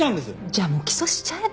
じゃあもう起訴しちゃえば？